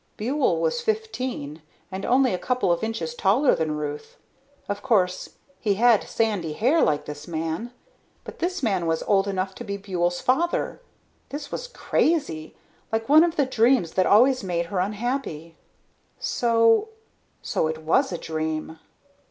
Buhl was fifteen and only a couple of inches taller than Ruth. Of course he had sandy hair like this man. But this man was old enough to be Buhl's father. This was crazy like one of the dreams that always made her unhappy. So? So it was a dream.